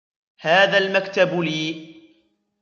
هذا المكتب لي.